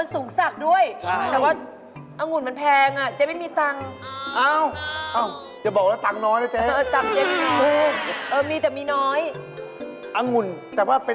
นึกว่าคิดออกเร็วสิเร็วสิคิดให้เจ๊